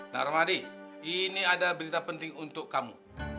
nah romadi ini ada berita penting untuk kamu